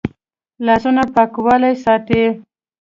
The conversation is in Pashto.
لاسونه پاکوالی ساتي